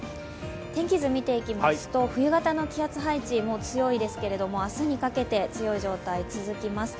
天気図を見ていきますと冬型の気圧配置も強いですが、明日にかけて強い状態、続きます。